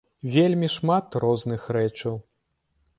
Вельмі шмат розных рэчаў.